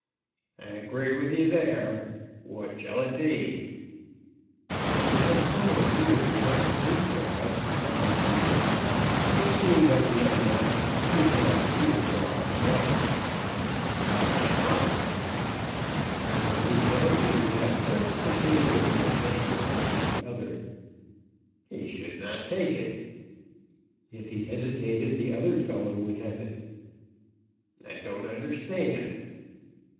"I agree with you there. What shall it be?" "If we had some one here to count three for us, that would do, but seeing that we have not, we cannot do it for ourselves." "Why not?" "The one who counted would have just the shade of an advantage over the other." "He should not take it." "If he hesitated, the other fellow would have it." "I don't understand."